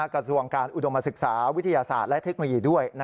กระทรวงการอุดมศึกษาวิทยาศาสตร์และเทคโนโลยีด้วย